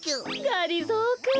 がりぞーくん。